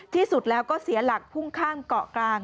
ที่สุดแล้วก็เสียหลักพุ่งข้ามเกาะกลาง